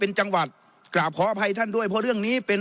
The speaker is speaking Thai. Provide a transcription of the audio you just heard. เป็นจังหวัดกราบขออภัยท่านด้วยเพราะเรื่องนี้เป็น